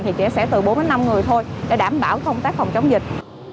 thì trẻ sẽ từ bốn đến năm người thôi để đảm bảo công tác phòng chống dịch